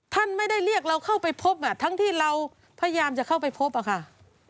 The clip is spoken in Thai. ท่านไม่ได้เรียกเราเข้าไปพบทั้งที่เราพยายามจะเข้าไปพบอะค่ะ